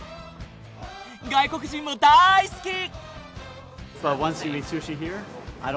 外国人も大好き！